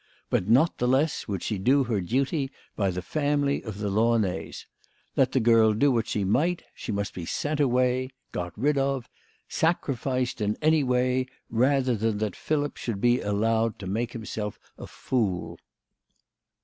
But not the less would she do her duty by the family of the Launays. Let the girl do what she might, she must be sent away got rid of sacrificed in any way rather than that Philip should be allowed to make himself a fool.